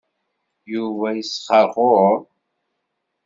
Yuba yesxeṛxuṛ.